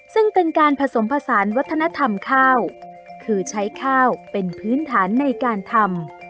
ซึ่งเป็นการผสมผสานวัฒนธรรมข้าวคือใช้ข้าวเป็นพื้นฐานในการทำ